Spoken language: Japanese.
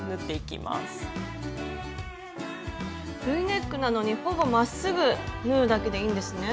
Ｖネックなのにほぼまっすぐ縫うだけでいいんですね。